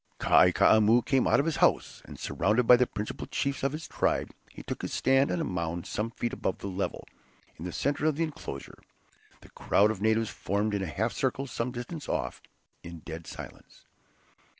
Kai Koumou came out of his house, and surrounded by the principal chiefs of his tribe, he took his stand on a mound some feet above the level, in the center of the enclosure. The crowd of natives formed in a half circle some distance off, in dead silence.